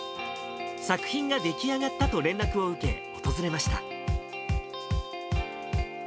作品が出来上がったと連絡を受け、訪れました。